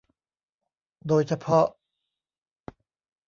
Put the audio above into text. โดยเฉพาะ